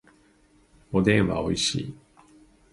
おでんはおいしい